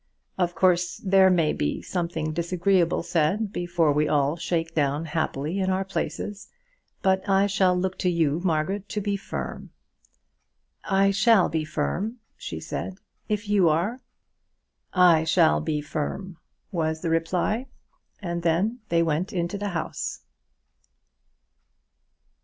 Of course there may be something disagreeable said before we all shake down happily in our places, but I shall look to you, Margaret, to be firm." "I shall be firm," she said, "if you are." "I shall be firm," was the reply; and then they went into the house.